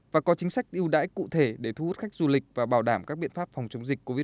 và có chính sách ưu đãi cụ thể để thu hút khách du lịch và bảo đảm các biện pháp phòng chống dịch covid một mươi chín